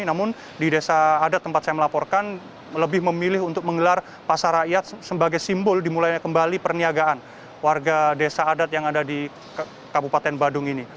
namun di desa adat tempat saya melaporkan lebih memilih untuk menggelar pasar rakyat sebagai simbol dimulainya kembali perniagaan warga desa adat yang ada di kabupaten badung ini